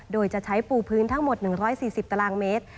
โดยจะใช้ปูพื้นทั้งหมด๑๔๐ตารางเมตร